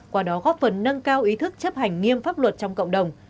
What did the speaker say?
qua đó góp phần nâng cao ý thức chấp hành nghiêm pháp luật trong cộng đồng